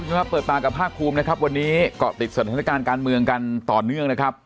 ครับเปิดปากกับภาคภูมินะครับวันนี้เกาะติดสถานการณ์การเมืองกันต่อเนื่องนะครับ